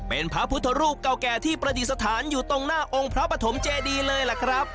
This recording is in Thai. เป็นพระพุทธรูปเก่าแก่ที่ประดิษฐานอยู่ตรงหน้าองค์พระปฐมเจดีเลยล่ะครับ